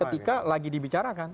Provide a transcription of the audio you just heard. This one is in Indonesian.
ketika lagi dibicarakan